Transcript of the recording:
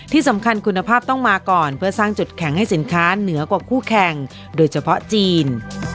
ที่สำคัญคุณภาพต้องมาก่อนเพื่อสร้างจุดแข็งให้สินค้าเหนือกว่าคู่แข่งโดยเฉพาะจีน